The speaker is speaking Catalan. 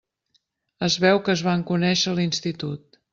Es veu que es van conèixer a l'institut.